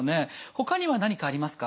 ほかには何かありますか？